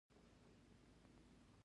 څو زده کوونکي دي لوست په وار سره ولولي.